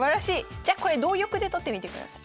じゃこれ同玉で取ってみてください。